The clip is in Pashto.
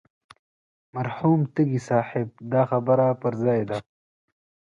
مرحوم تږي صاحب دا خبره پر ځای ده.